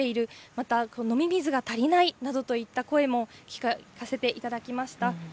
また、飲み水が足りないなどといった声も聞かせていただきました。